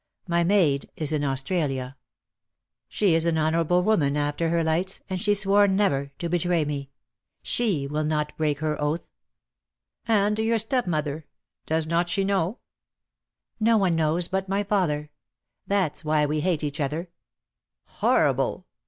My maid is in Australia. She is an honourable woman, after her lights, and she swore never to betray me. She will not break her oath." ■ "And your stepmother? Does not she know?" DEAD LOVE HAS CHAINS. 177 "No one knows but my father. That's why we hate each other." "Horrible!"